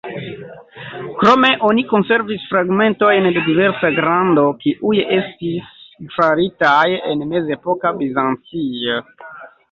Krome, oni konservis fragmentojn de diversa grando, kiuj estis faritaj en mezepoka Bizancio.